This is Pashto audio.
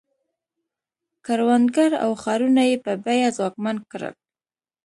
کروندګر او ښارونه یې په بیه ځواکمن کړل.